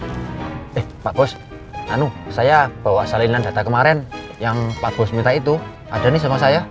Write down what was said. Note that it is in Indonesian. eh pak bos saya bawa salinan data kemarin yang pak bos minta itu ada nih sama saya